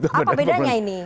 apa bedanya ini